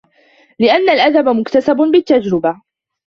لِأَنَّ الْأَدَبَ مُكْتَسَبٌ بِالتَّجْرِبَةِ